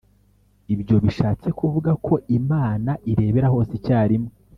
Ibyo bishatse kuvuga ko imana irebera hose icyarimwe